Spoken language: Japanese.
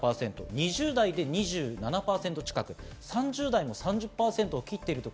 ２０代は２７％近く、３０代も３０％を切っています。